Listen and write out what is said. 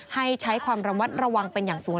ให้ใช้ความระมัดระวังเป็นอย่างสูง